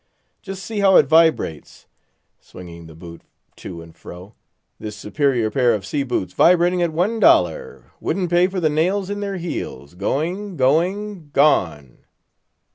Just see how it vibrates"—swinging the boot to and fro—"this superior pair of sea boots vibrating at one dollar; wouldn't pay for the nails in their heels; going, going—gone!"